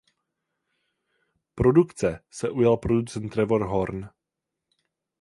Produkce se ujal producent Trevor Horn.